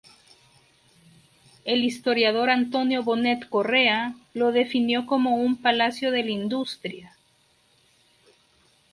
El historiador Antonio Bonet Correa lo definió como un "palacio de la Industria".